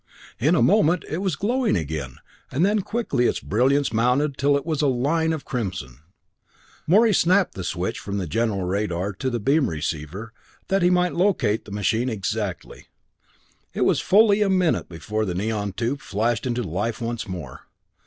In a moment it was glowing again, and then quickly its brilliance mounted till it was a line of crimson. Morey snapped the switch from the general radar to the beam receiver, that he might locate the machine exactly. It was fully a minute before the neon tube flashed into life once more.